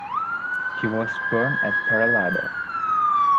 He was born at Perelada.